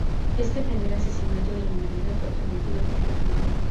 Este primer asesinato de la humanidad fue transmitido por La Biblia.